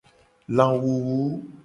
Lawuwu.